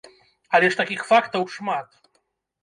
Але ж такіх фактаў шмат.